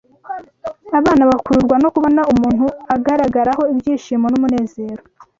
Abana bakururwa no kubona umuntu agaragaraho ibyishimo n’umunezero